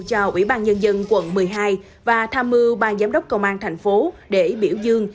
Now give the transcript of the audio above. cho ủy ban nhân dân quận một mươi hai và tham mưu ban giám đốc công an thành phố để biểu dương